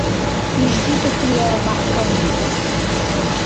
Ишди тӀутӀира мяхӀкамдирис.